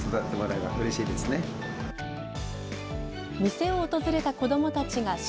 店を訪れた子どもたちが笑